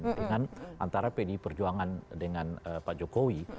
dengan antara pdi perjuangan dengan pak jokowi